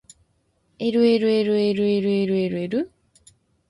ｌｌｌｌｌｌｌ